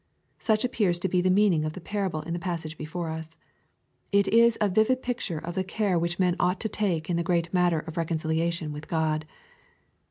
Such appears to be the meaning of the parable in the passage before us. It is a vivid picture of the care which men ought to take in the great matter of reconciliation with God.